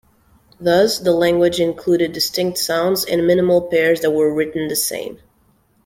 Thus, the language included distinct sounds and minimal pairs that were written the same.